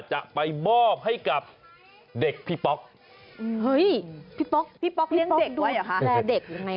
จะไปมอบให้กับเด็กพี่ป๊อกเฮ้ยพี่ป๊อกเลี้ยงเด็กไว้หรอคะ